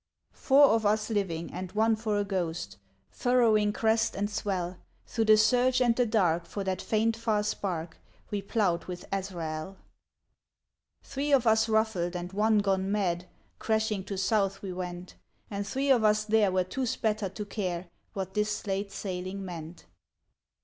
Four of us living and one for a ghost, Furrowing crest and swell. Through the surge and the dark, for that faint far spark. We ploughed with Azrael. Three of us rufBed and one gone mad. Crashing to south we went ; And three of us there were too spattered to care What this late sailing meant.